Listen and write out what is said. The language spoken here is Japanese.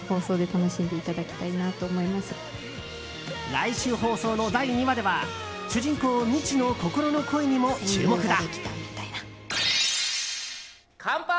来週放送の第２話では主人公・みちの心の声にも注目だ。